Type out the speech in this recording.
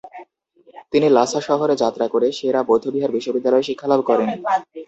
তিনি লাসা শহরে যাত্রা করে সে-রা বৌদ্ধবিহার বিশ্ববিদ্যালয়ে শিক্ষালাভ করেন।